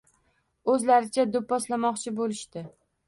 Oʻzlaricha doʻpposlamoqchi bo'lishdi.